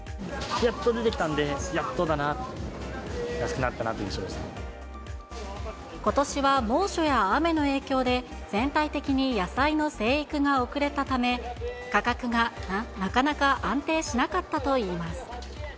やっと出てきたんで、やっとだな、ことしは猛暑や雨の影響で、全体的に野菜の生育が遅れたため、価格がなかなか安定しなかったといいます。